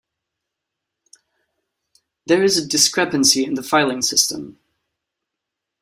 There is a discrepancy in the filing system.